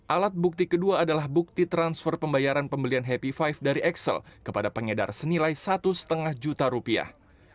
alat bukti kedua adalah bukti transfer pembayaran pembelian happy five dari excel kepada pengedar senilai satu lima juta rupiah